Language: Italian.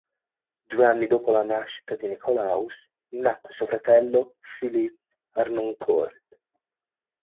Due anni dopo la nascita di Nikolaus, nacque suo fratello Philipp Harnoncourt.